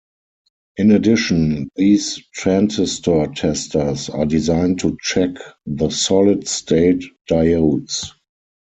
In addition, these transistor testers are designed to check the solid-state diodes.